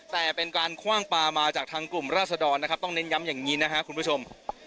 แต่เป็นการคว่างปลามาจากทางกลุ่มราศดรนะครับต้องเน้นย้ำอย่างนี้นะครับคุณผู้ชม